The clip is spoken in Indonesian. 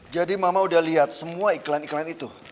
jadi mama sudah lihat semua iklan iklan itu